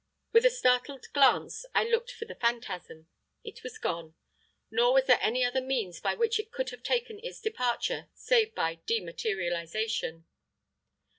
With a startled glance I looked for the phantasm it was gone; nor was there any other means by which it could have taken its departure save by dematerialisation.